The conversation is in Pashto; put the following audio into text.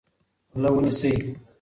غله ونیسئ.